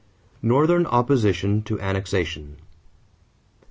=Northern Opposition to Annexation.